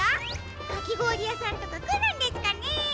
かきごおりやさんとかくるんですかね？